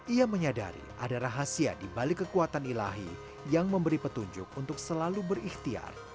ia menyadari ada rahasia di balik kekuatan ilahi yang memberi petunjuk untuk selalu berikhtiar